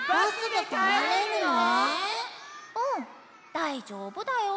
だいじょうぶだよ。